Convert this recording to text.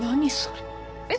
えっ？